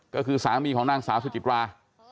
ก็คือสามีของนางสาวสุจิตรา